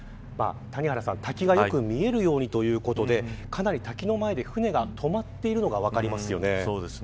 谷原さん、滝がよく見えるようにということでかなり滝の前で船が止まっているのが分かりますね。